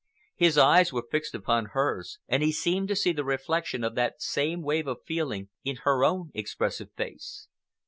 His eyes were fixed upon hers, and he seemed to see the reflection of that same wave of feeling in her own expressive face.